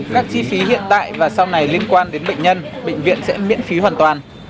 các chi phí hiện tại và sau này liên quan đến bệnh nhân bệnh viện sẽ miễn phí hoàn toàn